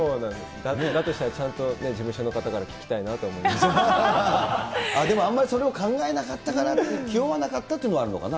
だとしたら、ちゃんと事務所でも、あんまりそれを考えなかったから、気負わなかったっていうのがあるのかな。